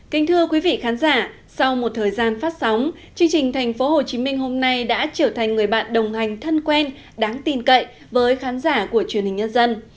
kính thưa quý vị khán giả sau một thời gian phát sóng chương trình tp hcm hôm nay đã trở thành người bạn đồng hành thân quen đáng tin cậy với khán giả của truyền hình nhân dân